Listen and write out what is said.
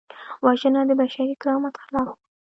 وژنه د بشري کرامت خلاف ده